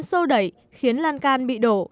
sô đẩy khiến lan can bị đổ